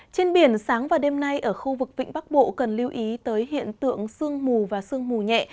trên biển sáng và đêm nay ở khu vực vịnh bắc bộ cần lưu ý tới hiện tượng sương mù và sương mù nhẹ